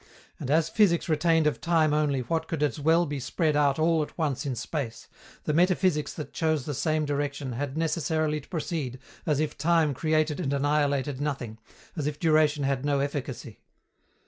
And, as physics retained of time only what could as well be spread out all at once in space, the metaphysics that chose the same direction had necessarily to proceed as if time created and annihilated nothing, as if duration had no efficacy.